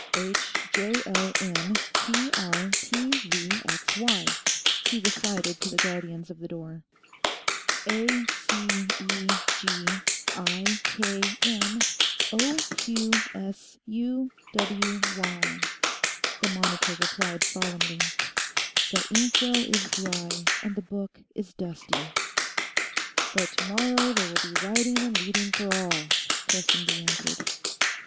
"B, D, F, H, J, L, N, P, R, T, V, X, Y," he recited to the guardians of the door. "A, C, E, G, I, K, M, O, Q, S, U, W, Y," the monitor replied solemnly. "The inkwell is dry, and the book is dusty." "But tomorrow, there will be writing and reading for all," Prestonby answered.